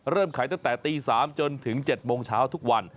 เริ่มขายตั้งแต่ตี๓จนถึง๗โมงเช้าทุกวัน